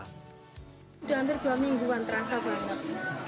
sudah hampir dua mingguan terasa banget